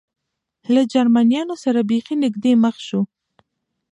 له جرمنیانو سره بېخي نږدې مخ شو.